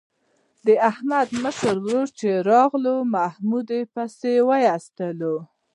د احمد مشر ورور چې راغی محمود پښې وایستلې.